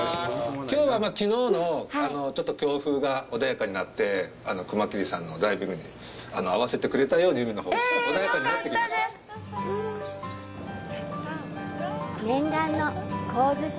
きょうはきのうの強風が穏やかになって熊切さんのダイビングに合わせてくれたように海のほうが穏やかになってきました。